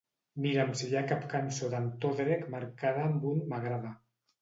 Mira'm si hi ha cap cançó d'en Todrick marcada amb un "m'agrada".